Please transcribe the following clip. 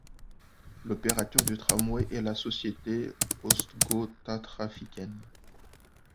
L'opérateur du tramway est la société Östgötatrafiken.